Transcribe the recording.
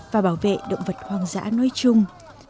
và bảo vệ động vật hoang dã nối chung